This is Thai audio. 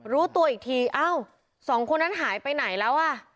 รู้ตัวอีกทีอ้าวสองคนนั้นหายไปไหนแล้วอ่ะ